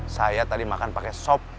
saya tadi makan pakai sop